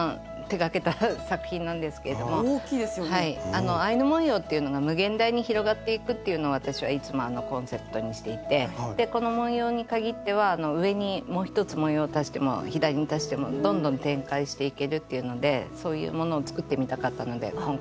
あのアイヌ文様っていうのが無限大に広がっていくっていうのを私はいつもコンセプトにしていてでこの文様に限っては上にもう１つ文様を足しても左に足してもどんどん展開していけるっていうのでそういうものを作ってみたかったので今回。